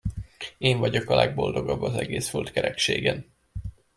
Én vagyok a legboldogabb az egész földkerekségen!